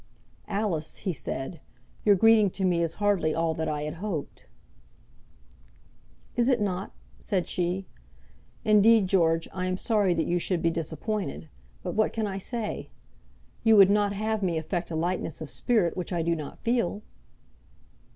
"Alice," he said, "your greeting to me is hardly all that I had hoped." "Is it not?" said she. "Indeed, George, I am sorry that you should be disappointed; but what can I say? You would not have me affect a lightness of spirit which I do not feel?"